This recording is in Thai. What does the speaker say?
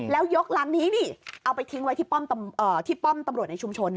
แล้วยกรังนี้นี่เอาไปทิ้งไว้ที่ป้อมตำรวจในชุมชน